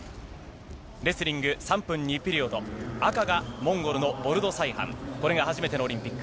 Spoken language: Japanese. レスリング３分２ピリオド、赤がモンゴルのボルドサイハン、これが初めてのオリンピック。